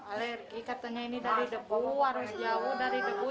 alergi katanya ini dari debu harus jauh dari debu